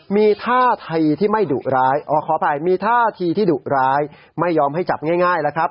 มีท่าทีที่ดุร้ายไม่ยอมให้จับง่ายแหละครับ